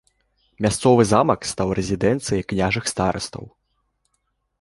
Мясцовы замак стаў рэзідэнцыяй княжых старастаў.